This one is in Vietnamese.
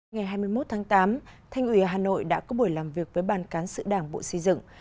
ngày hai mươi một tháng tám thành ủy hà nội đã có buổi làm việc với ban cán sự đảng bộ xây dựng